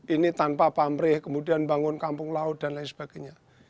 ini tanpa pamrih kemudian bangun kampung laut dan lain sebagainya